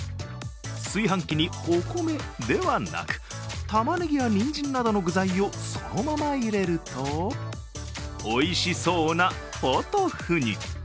炊飯器にお米ではなくたまねぎやにんじんなどの具材をそのまま入れるとおいしそうなポトフに。